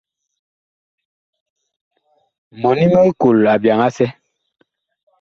Mɔni mig kol abyaŋ asɛ.